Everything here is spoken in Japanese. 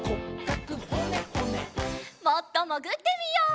もっともぐってみよう！